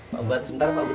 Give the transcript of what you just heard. sebentar mbak bu